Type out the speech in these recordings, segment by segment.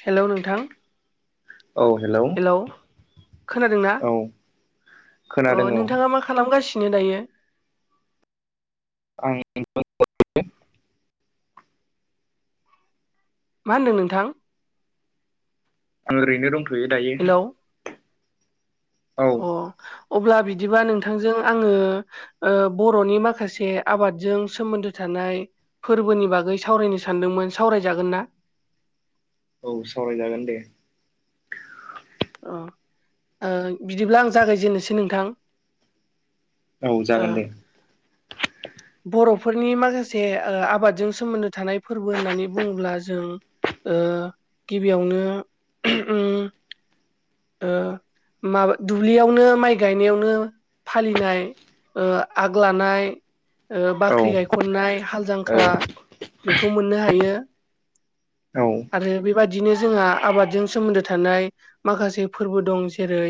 Hello नोंथां hello खोनादों ना? औ अ खोनादों औ नोंथाङा मा खालामगासिनो दायो? आं मा होनदों नोंथां? आं ओरैनो दंथ'यो दायो हेलौ औ अ अब्ला बिदिबा नोंथांजों आङो ओ बर'नि माखासे आबादजों सोमोन्दो थानाय फोरबोनि बागै सावरायनो सानदोंमोन सावरायजागोनना? औ सावरायजागोन दे। अ ओ बिदिब्ला आं जागायजेनोसै नोंथां औ ओ जागोन दे। बर'फोरनि माखासे ओ आबादजों सोमोन्दो थानाय फोरबो होननानै बुङोब्ला जों ओ गिबियावनो ओम ओ माबा दुब्लियावनो माइ गायनायावनो फालिनाय ओ आग लानाय, ओ औ बाख्रि गायख'न्नाय, हाल जांख्रा औ बेखौ मोननो हायो आरो बेबायदिनो जोंहा आबादजों सोमोन्दो थानाय माखासे फोरबो दं जेरै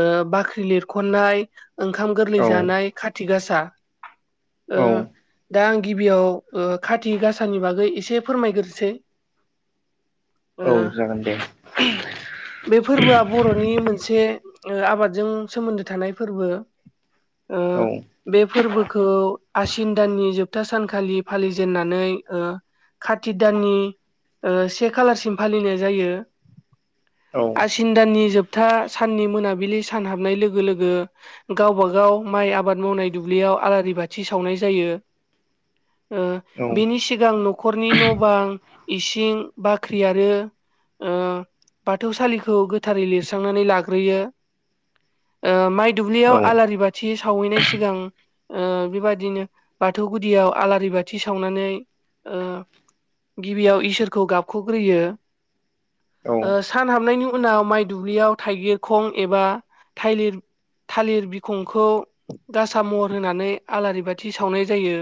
ओ बाख्रि लिरखननाय, ओंखाम गोरलै औ जानाय, खाथि गासा ओ औ दा आं गिबियाव ओ खाथि गासानि बागै एसे फोरमायग्रोसै ओ औ जागोन दे बे फोरबोआ बि मोनसे ओ आबादजों सोमोन्दो थानाय फोरबो ओ औ बे फोरबोखौ आसिन दाननि जोबथा सानखालि फालिजेननानै ओ खाति दाननि ओ से खालारसिम फालिनाय जायो औ आसिन दाननि जोबथा साननि मोनाबिलि सान हाबनाय लोगो लोगो गावबा गाव माइ आबाद मावनाय दुब्लियाव आलारि बाथि सावनाय जायो। ओ बिनि सिगां नखरनि न' बां इसिं बाख्रि आरो ओ बाथौसालिखौ गो थारै लिरस्रांनानै लाग्रोयो ओ माइ औ दुब्लियाव आलारि बा थि सावहैनाय सिगां ओ बेबायदिनो बाथौ गुदियाव आलारि बाथि सावनानै गिबियाव इसोरखौ गाबख'ग्रोयो औ ओ सान हाबनायनि उनाव माइ दुब्लियाव थाइगिर खं एबा थाइलिर थालिर बिखंखौ गासा महर होनानै आलारि बाथि सावनाय जायो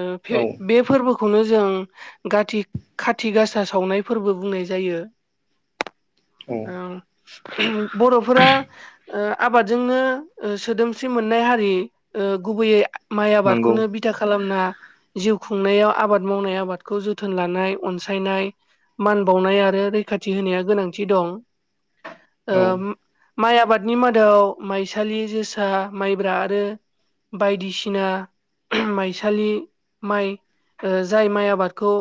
ओ औ फे बे फोरबोखौनोजों गाथि खाथि गासा सावनाय फोरबो बुंनाय जायो। औ ओं बर'फोरा ओ आबादजोंनो ओ सोदोमस्रि मोननाय हारि ओ गुबैयै माइ नंगौ आबादखौनो बि था खालामना जिउ खुंनायाव आबाद मावनाया आबादखौ जोथोन लानाय अनसायनाय मान बावनाय आरो रैखाथि होनाया गोनांथि दं ओ औ माइ आबादनि मादाव माइसालि, जोसा, माइब्रा आरो बायदिसिना माइसालि माइ ओ जाय माइ आबादखौ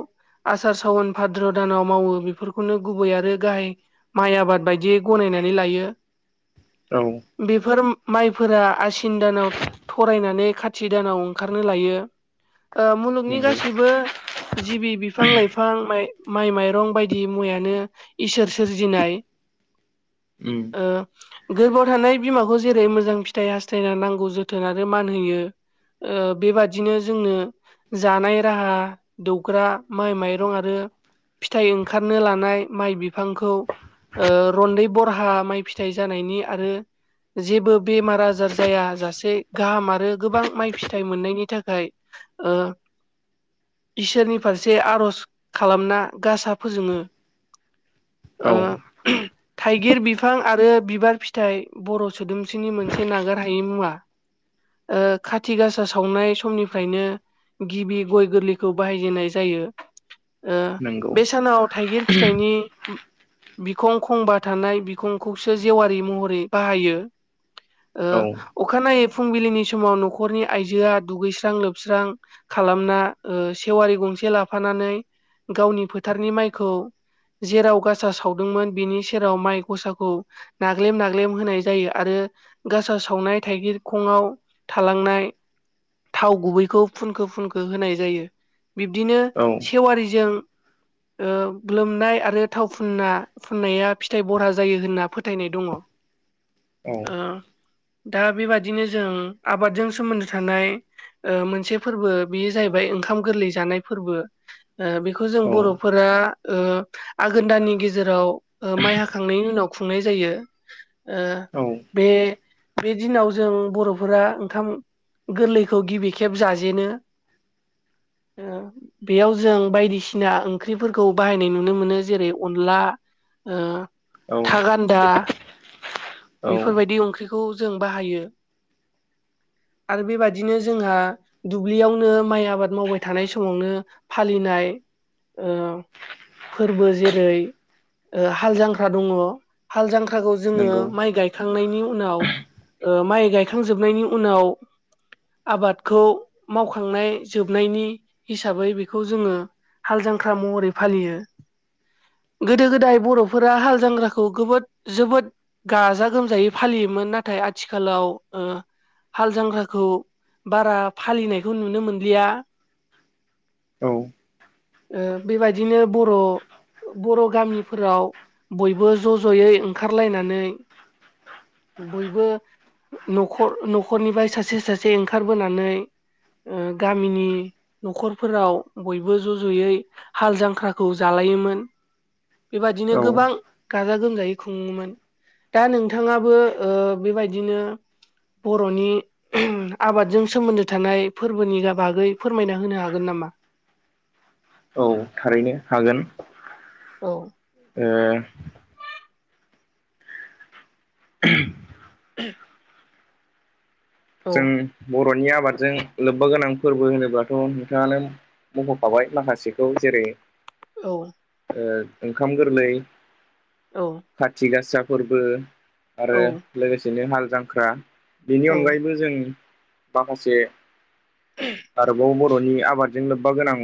आसार सावन भाद्र दानाव मावो बेफोरखौनो गुबै आरो गाहाय माइ आबाद बायदियै गनायनानै लायो औ बेफोर माइफोरा आसिन दानाव थरायनानै खाथि दानाव ओंखारनो लायो ओ मुलुगनि नंगौ गासिबो जिबि बिफां लाइफां माइ माइ माइरं बायदि मुवानो इसोर सोर जिनाय उम ओ गोरबोआव थानाय बिमाखौ जेरै मोजां फिथाइ हास्थायना नांगौ जोथोन आरो मान होयो ओ बेबादिनो जोंनो जानाय राहा दौग्रा माइ माइरं आरो फिथाइ ओंखारनो लानाय माइ बिफांखौ ओ रन्दै बरहा माइ फिथाइ जानायनि आरो जेबो बेमार आजार जाया जासे गाहाम आरो गोबां माइ फिथाइ मोननायनि थाखाय ओ इसोरनि फारसे आर'ज खालामना गासा फोजोङो औ ओ थाइगिर बिफां आरो बिबार फिथाइ बर' सोदोमस्रिनि मोनसे नागार हायै मुवा। ओ खाथि गासा सावनाय समनिफ्रायनो गिबि गय गोरलैखौ बाहायजेननाय जायो। ओ नंगौ बे सानाव थाइगिर फिथाइनि बिखं खंबा थानाय बिखंखौसो जेवारि महरै बाहायो। औ ओ अखानायै फुंबिलिनि समाव नखरनि आइजोआ दुगैस्रां लोबस्रां खालामना ओ जेवारि गंसे लाफानानै गावनि फोथारनि माइखौ जेराव गासा सावदोंमोन बेनि सेराव माइ गसाखौ नाग्लेम नाग्लेम होनाय जायो आरो गासा सावनाय थाइगिर खङआव थालांनाय थाव गुबैखौ फुनखो फुनखो होनाय जायो बिब्दिनो औ जेवारिजों लोमनाय आरो थाव फुनना फुननाया फिथाइ बरहा जायो होनना फोथायनाय दङ औ दा बेबादिनो जों आबादजों सोमोन्दो थानाय मोनसे फोरबो बेयो जाहैबाय ओंखाम गोरलै जानाय फोरबो बेखौ जों औ बर'फोरा आगोन दानि गेजेराव माइ हाखांनायनि उनाव खुंनाय जायो औ बे बे दिनाव जों बर'फोरा ओंखाम गोरलैखौ गिबि खेब जाजेनो बेयाव जों बायदिसिना ओंख्रिफोरखौ बाहायनाय नुनो मोनो जेरै अनला ओ था गा दा बेफोरबायदि ओंख्रिखौ जों बाहायो आरो बेबादिनो जोंहा दुब्लियावनो माइ आबाद मावबाय थानाय समावनो फालिनाय बो जेरै हाल जांख्रा दङ हाल जांख्राखौ जोङो नंगौ माइ गा गायखांनायनि उनाव माइ गायखांजोबनायनि उनाव आबादखौ मावखांनाय जोबनायनि हिसाबै बेखौ जोङो हाल जांख्रा महरै फालियो गोदो गोदाय बर'फोरा हाल जग्राखौबोद गोबोद जोबोद गाजा गोमजायै फालियोमोन नाथाय आथिखालाव हाल जांख्राखौ बारा फालिनायखौ नुनो मोनलिया औ ओ बेबायदिनो बर' बर' गामिफोराव बयबो ज' ज'यै ओंखारलायनानै बयबो नखर न'खरनिफ्राय सासे सासे ओंखारबोनानै ओ गामिनि न'खरफोराव बयबो ज' ज'यै हाल जांख्राखौ जालायोमोन बेबादिनो औ गोबां गाजा गोमजायै खुङोमोन दा नोंथाङाबो बेबायदिनो बर'नि आबादजों सोमोन्दो थानाय फोरबोनि बागै फोरमायना होनो हागोन नामा औ थारैनो हागोन औ ओ [inaudible] औ जों बर'नि आबादजों लोब्बा गोनां फोरबो होनोब्लाथ' नोंथाङालाय मखखाबाय माखासेखौ जेरै औ ओ ओंखाम गोरलै औ खाथि गासा फोरबो आरो औ लोगोसेनो हाल जांख्रा बिनि औ अनगायैबो जों माखासे आरोबाव बर'नि आबाद जों लोब्बा गोनां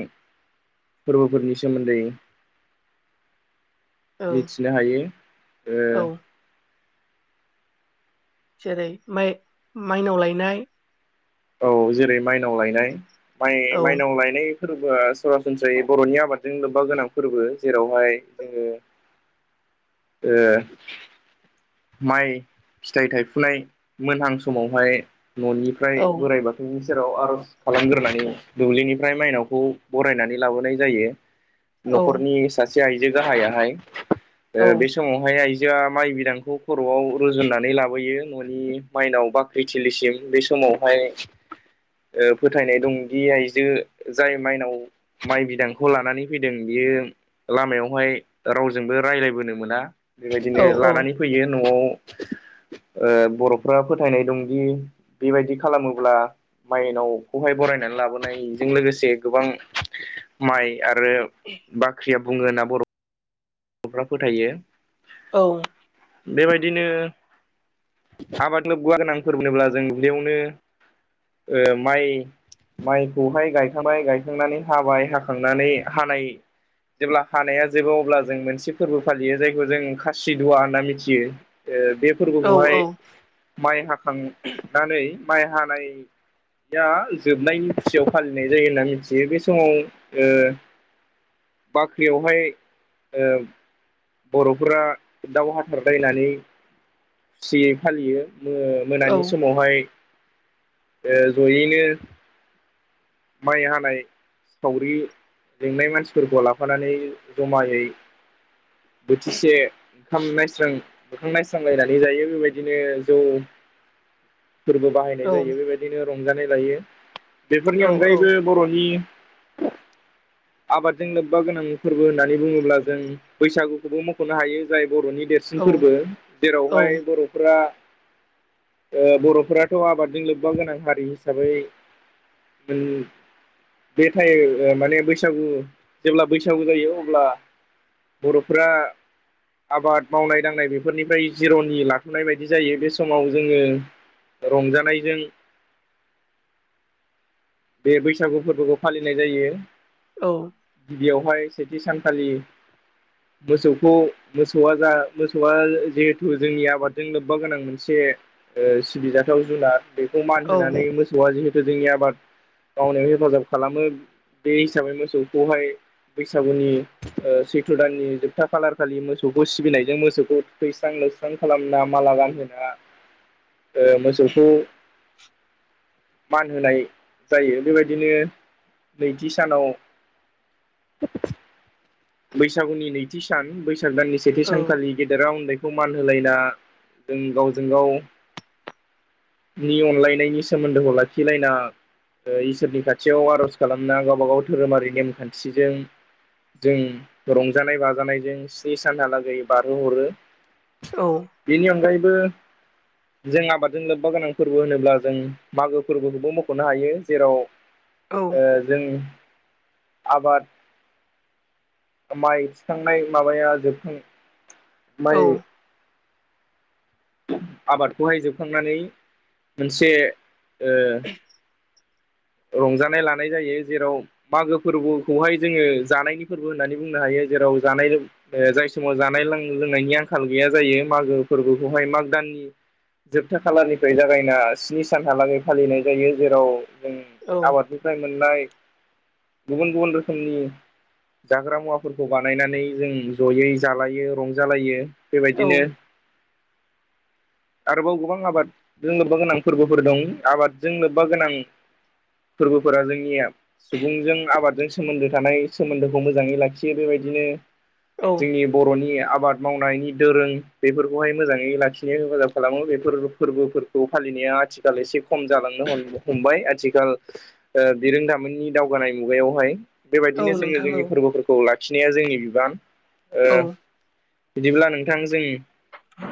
फोरबोफोरनि सोमोन्दै औ मिथिनो हायो ओ औ जेरै माइ माइनाव लायनाय औ जेरै माइनाव लायनायाइ माइ औ माइनाव लायनाय फोरबोआ सरासनस्रायै बर'नि आबादजों लोब्बा गोनां फोरबो जेरावहाय जोङो ओ माइ फिथाइ थायफुनाय मोनहां समावहाय न'निफ्राय औ बोराय बा बेनि सेराव आरज खालामग्रोनानै दुब्लिनिफ्राय माइनावखौ बरायनानै लाबोनाय जायो। औ न'खरनि सासे आइजो गाहायाहाय औ बे समावहाय आइजोआ माइ बिदांखौ खर'आव रुजुननानै लाबोयो न'नि माइनाव बाख्रिथिलिसिम बे समावहाय ओ फोथायनाय दंदि आइजो जाय माइनाव माइ बिदांखौ लानानै फैदों बियो लामायावहाय रावजोंबो रायज्लायबोनो मोना बेबायदिनो औ औ लानानै फैयो। न'आव ओ बर'फ्रा फोथायनाय दंदि बेबायदि खालामोब्ला माइनावखौहाय बरायनानै लाबोनायजों लोगोसे गोबां माइ आरो बाख्रिया बुङो होनना बर' बर'फ्रा फोथायो। औ बेबायदिनो आबादनो गुवा [unintelligible] गोनांफोर बनोब्ला जों दुब्दियावनो ओ माइ [unintelligible] माइखौहाय गायखांबाय गायखांनानै हाबाय हाखांनानै हानाय जेब्ला हानाया जेबो अब्ला जों मोनसे फोरबो फालियो जायखौ जों खासि दुवा होनना मिथियो ओ बे औ फोरबोखौहाय माइ हाखांनानै माइ हानाय या जोबनायनि खुसियाव फालिनाय जायो होनना मिथियो बे समाव ओ बाख्रियावहाय ओ बर'फोरा दाउ हाथार लायनानै खुसियै फालियो मोनानि औ समावहाय ओ जयैनो माइ हानाय सावरि लेंनाय मानसिफोरखौ लाफानानै जमायै बोथिसे ओंखाम नायस्रां मोखां नायस्रांलायनानै जायो बेबायदिनो जौ [inaudible] फोरबो बाहायनाय औ जायो बेबायदिनो रंजानाय लायो बेफोरनि औ अनगायैबो बर'नि आबादजों लोब्बा गोनां फोरबो होननानै बुङोब्ला जों बैसागुखौबो मख'नो हायो जाय बर'नि देर सिन औ फोरबो जेरावहाय बर'फोरा बर'फोराथ' आबादजों लोब्बा गोनां हारि हिसाबै मोन बे टाइ माने बै स बैसागु जेब्ला बैसागु जायो अब्ला बर'फोरा आबाद मावनाय दांनाय बेफोरनिफ्राय जिर'नि लाथ'नाय बायदि जायो बे समाव जोङो रंजानायजों बे बैसागु फोरबोखौ फालिनाय जायो। औ गिबियावहाय सेथि सानखालि मोसौखौ मोसौआ जा मोसौआ जिहेथु जोंनि आबादजों लोब्बा गोनां मोनसे ओ सिबिजाथाव जुनार बेखौ मान होनानै मोसौआ जिहेथु जोंनि आबाद मावनायाव हेफाजाब खालामो बे हिसाबै मोसौखौहाय बैसागुनि ओ सैथ्र' दाननि जोबथा खालार खालि मोसौखौ सिबिनायजों मोसौखौ थैस्रां लोब स्रां खालामना माला गानहोना [inaudible] मोसौखौ मान होनाय जायो बेबायदिनो नैथि सानाव बैसागुनि नैथि सान बैसाग दाननि सेथि सानखालि गेदेरा उन्दैखौ मान होलायना जों गावजों गाव नि अनलायनायनि सोमोन्दोखौ लाखिलायना इसोरनि खाथियाव आर'ज खालामना गावबागाव धोरोमारि नेमखान्थिजों जों रंजानाय बाजानायजों स्नि सानहालागै बारहोहरो औ बेनि अनगायैबो जों आबादजों लोब्बा गोनां फोरबो होनोब्ला जों मागो फोरबोखौबो मख'नो हायो जेराव ओ जों आबाद माइ थिखांनाय माबाया जोबखां माइ आबादखौहाय जोबखांनानै मोनसे ओ रंजानाय लानाय जायो जेराव मागो फोरबोखौहाय जोङो जानायनि फोरबो होननानै बुंनो हायो जेराव जानाय लों जाय समाव जानाय लोंनो लोंनायनि आंखाल गैया जायो मागो फोरबोखौहाय माग दाननि जोबथा खालारनिफ्राय जागायना स्नि सानहालागै फालिनाय जायो जेराव जों आबादनिफ्राय मोननाय गुबुन गुबुन रोखोमनि जाग्रा मुवाफोरखौ बानायनानै जों जयै जालायो रंजालायो औ बेबायदिनो आरोबाव गोबां आबादजों लोब्बा गोनां फोरबोफोर दं आबादजों लोब्बा गोनां फोरबोफोरा जोंनिया सुबुंजों आबादजों सोमोन्दो थानाय सोमोन्दोखौ मोजाङै लाखियो बेबायदिनो औ जोंनि बर'नि आबाद मावनायनि दोरों बेफोरखौहाय मोजाङै लाखिनो हेफाजाब खालामो बेफोर फोरबोफोर खौ फालिनाया आथिखाल एसे खम जालांनो हमबाय आथिखाल ओ बिरोंदामोननि दावगानाय मुगायावहाय औ बेबायदिनो जोङो नोंथां औ जोंनि फोरबोफोरखौ लाखिनाया जोंनि बिबान। ओ औ बिदिब्ला नोंथां जों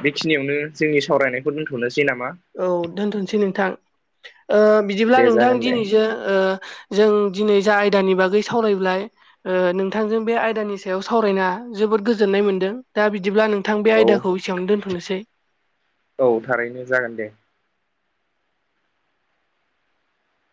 बेखिनियावनो जोंनि सावरायनायखौ दोनथ'नोसै नामा? औ दोनथ'सै नोंथां। ओ बिदिब्ला दे नोंथां जागोन दे दिनैजों ओ जों दिनै जा आयदानि बागै सावरायबाय ओ नोंथांजों बे आयदानि सायाव सावरायना जोबोद गोजोननाय मोनदों। दा बिदिब्ला नोंथां बिथां बे औ आयदाखौ एसेयावनो दोनथ'नोसै। औ थारैनो जागोन दे।